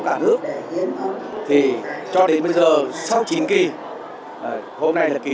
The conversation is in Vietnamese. thì cho đến bây giờ sau chín kỳ hôm nay là kỳ thứ một mươi